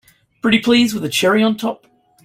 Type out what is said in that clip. Pretty please with a cherry on top!